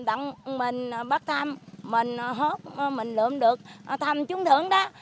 đặng mình bắt thăm mình lượm được thăm trúng thưởng đó